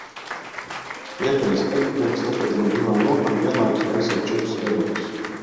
Vietējais kebabnieks vakardien ar divām rokām vienlaikus taisīja četrus kebabus.